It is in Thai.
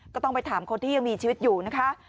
ก็ต้องไปถามคนที่ยังมีชีวิตอยู่นะคะ